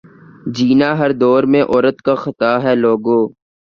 جینا ہر دور میں عورت کا خطا ہے لوگو